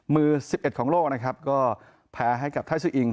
มือ๑๑ของโลกก็แพ้ให้กับไทยซูอิง